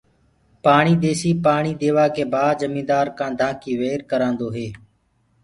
پاڻي ديسي پآڻي ديوآ ڪي بآد جميدآر ڪآنڌآ ڪي وير ڪروآندو هي.